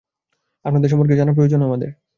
আপনাদের সম্পর্কে জানা আমাদের প্রয়োজন।